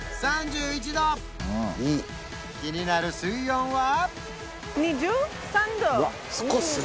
３１度気になる水温は？